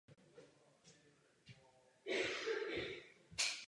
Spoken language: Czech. Napříště se již ve svém vládním angažmá resortu zemědělství důsledně vyhýbal.